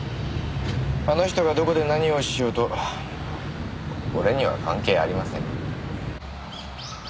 あの人がどこで何をしようと俺には関係ありません。